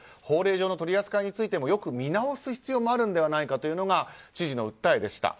法令上の取り扱いについてもよく見直す必要があるのではというのが知事の訴えです。